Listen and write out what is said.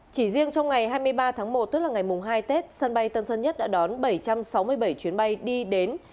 chỉ riêng trong ngày hai mươi ba tháng một tức là ngày hai tết sân bay tân sơn nhất đã đón bảy trăm sáu mươi bảy chuyến bay đi đến